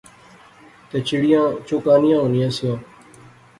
تہ چڑیاں چوکانیاں ہونیاں سیا